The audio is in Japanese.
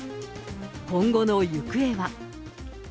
今後の行方は。